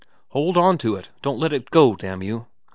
' Hold on to it don't let it go, damn you